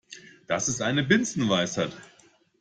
Das ist eine Binsenweisheit.